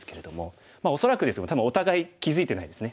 恐らくですけど多分お互い気付いてないですね。